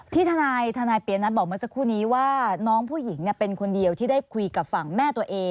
ทนายเปียนัทบอกเมื่อสักครู่นี้ว่าน้องผู้หญิงเป็นคนเดียวที่ได้คุยกับฝั่งแม่ตัวเอง